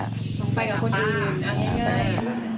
ไปกับคนอื่น